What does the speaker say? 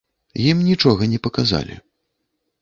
Ім нічога не паказалі.